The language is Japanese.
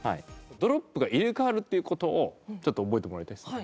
ドロップが入れ替わるっていう事をちょっと覚えてもらいたいですね。